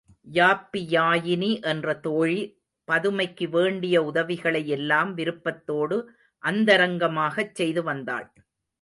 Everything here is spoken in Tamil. யாப்பியாயினி என்ற தோழி பதுமைக்கு வேண்டிய உதவிகளை எல்லாம் விருப்பத்தோடு அந்தரங்கமாகச் செய்து வந்தாள்.